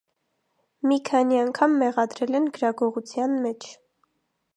Մի քանի անգամ մեղադրել են գրագողության մեջ։